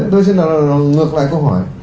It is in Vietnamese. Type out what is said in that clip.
đó chính là ngược lại câu hỏi